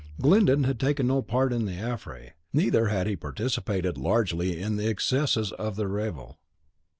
Glyndon had taken no part in the affray, neither had he participated largely in the excesses of the revel.